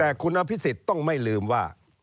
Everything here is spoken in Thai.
แต่คุณอภิษฎต้องไม่ลืมว่า